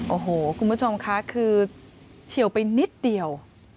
โอ้โหคุณผู้ชมค่ะคือเฉียวไปนิดเดียว